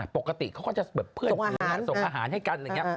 ปกติเขาก็จะเหมือนเพื่อนคือส่งอาหารให้กัน